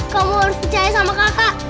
kamu harus percaya sama kakak